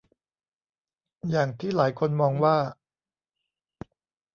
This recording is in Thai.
อย่างที่หลายคนมองว่า